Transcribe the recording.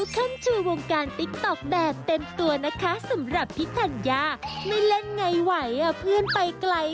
โปรดติดตามตอนต่อไป